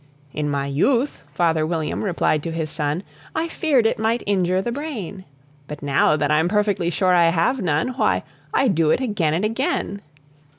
"In my youth," Father William replied to his son, "I feared it might injure the brain; But now that I'm perfectly sure I have none, Why, I do it again and again."